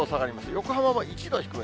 横浜も１度低め。